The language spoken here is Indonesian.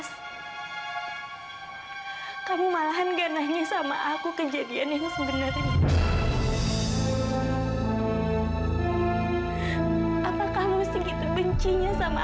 sampai jumpa di video selanjutnya